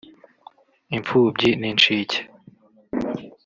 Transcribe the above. imfubyi n’incike